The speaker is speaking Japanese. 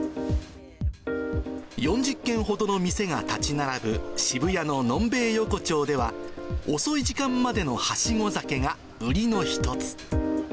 ４０軒ほどの店が建ち並ぶ渋谷ののんべい横丁では、遅い時間までのはしご酒が売りの一つ。